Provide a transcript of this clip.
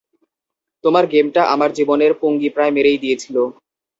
তোমার গেমটা আমার জীবনের পুঙ্গি প্রায় মেরেই দিয়েছিল!